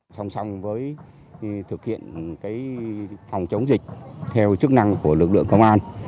song song với thực hiện phòng chống dịch theo chức năng của lực lượng công an